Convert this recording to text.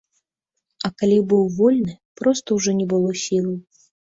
А калі быў вольны, проста ўжо не было сілаў.